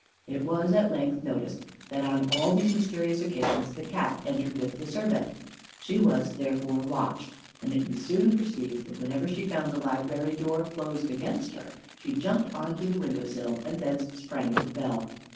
It was, at length, noticed that on all these mysterious occasions the Cat entered with the servant. She was, therefore, watched, and it was soon perceived that whenever she found the library door closed against her, she jumped on to the window sill, and thence sprang at the bell.